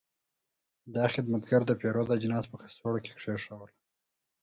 دا خدمتګر د پیرود اجناس په کڅوړو کې کېښودل.